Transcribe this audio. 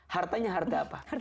hartanya harta apa